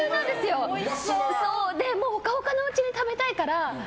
ほかほかのうちに食べたいから。